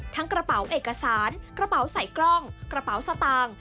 กระเป๋าเอกสารกระเป๋าใส่กล้องกระเป๋าสตางค์